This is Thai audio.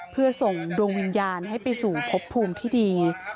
เพื่อส่งดวงวิญญาณให้ไปสู่พบภูมิที่ดี